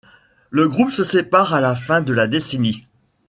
Le groupe se sépare à la fin de la décennie.